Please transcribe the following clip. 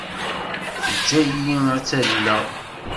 Teǧǧa-iyi ad tt-alleɣ.